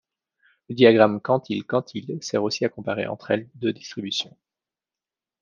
Le diagramme quantile-quantile sert aussi à comparer entre elles deux distributions.